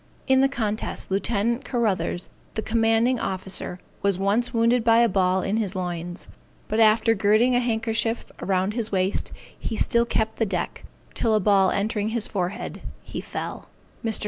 In the contest Lieut. Carruthers, the commanding officer, was once wounded by a ball in the loins; but after girding a handkerchief round his waist, he still kept the deck, till a ball entering his forehead, he fell. Mr.